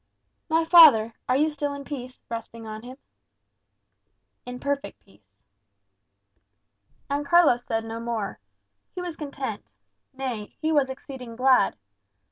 "My father, are you still in peace, resting on him?" "In perfect peace." And Carlos said no more. He was content; nay, he was exceeding glad.